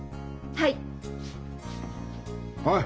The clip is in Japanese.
はい。